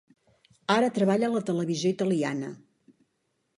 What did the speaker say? Ara treballa a la televisió italiana.